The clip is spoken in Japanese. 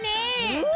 うん！